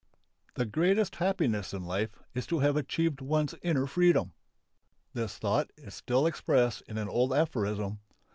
The greatest happiness in life is to have achieved one's inner freedom. This thought is still expressed in an old aphorism.